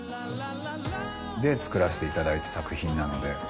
で作らせていただいた作品なので。